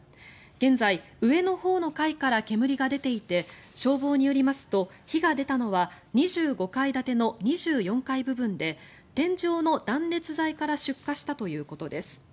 現在、上のほうの階から煙が出ていて消防によりますと、火が出たのは２５階建ての２４階部分で天井の断熱材から出火したということです。